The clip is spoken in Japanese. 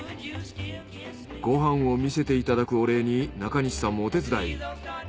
ご飯を見せていただくお礼に中西さんもお手伝い。